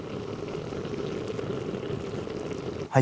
はい。